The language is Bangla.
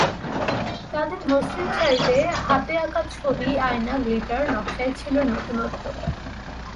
তাঁদের মসলিন শাড়িতে হাতে আঁকা ছবি, আয়না, গ্লিটার নকশায় ছিল নতুনত্ব।